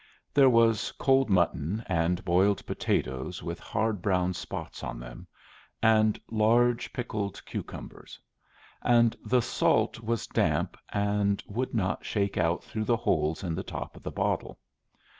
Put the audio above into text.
There was cold mutton, and boiled potatoes with hard brown spots in them, and large picked cucumbers; and the salt was damp and would not shake out through the holes in the top of the bottle.